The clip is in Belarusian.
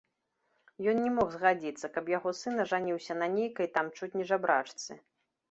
Ён не мог згадзіцца, каб яго сын ажаніўся на нейкай там чуць не жабрачцы.